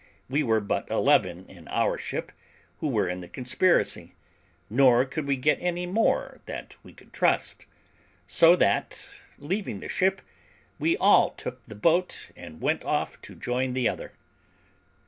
We were but eleven in our ship, who were in the conspiracy, nor could we get any more that we could trust; so that, leaving the ship, we all took the boat, and went off to join the other.